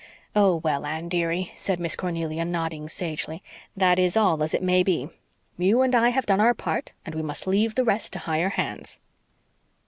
"Oh, well, Anne, dearie," said Miss Cornelia, nodding sagely "that is all as it may be. You and I have done our part and we must leave the rest to Higher Hands."